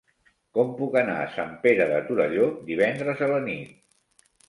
Com puc anar a Sant Pere de Torelló divendres a la nit?